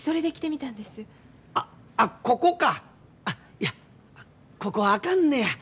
いやここはあかんねや。